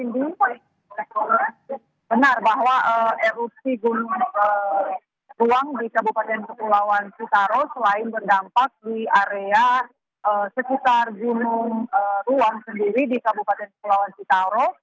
benar bahwa erupsi gunung ruang di kabupaten kepulauan citaro selain berdampak di area sekitar gunung ruang sendiri di kabupaten kepulauan citaro